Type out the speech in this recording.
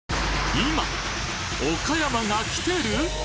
今岡山がキテる！？